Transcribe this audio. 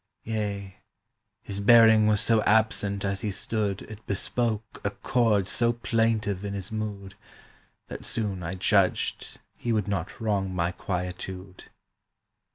Yea, his bearing was so absent As he stood, It bespoke a chord so plaintive In his mood, That soon I judged he would not wrong my quietude.